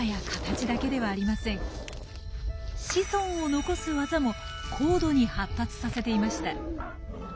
子孫を残す技も高度に発達させていました。